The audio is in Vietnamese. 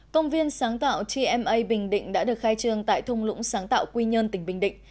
công viên sáng tạo tma bình định đã được khai trương tại thung lũng sáng tạo quy nhơn tỉnh bình định